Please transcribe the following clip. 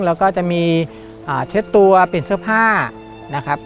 แล้วก็จะมีเช็ดตัวเปลี่ยนเสื้อผ้านะครับ